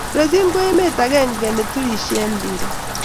Brazil ko emet akenge ne bo turushe eng mpiret